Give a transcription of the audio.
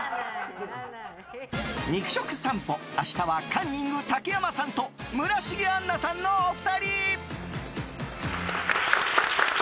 肉食さんぽ、明日はカンニング竹山さんと村重杏奈さんのお二人！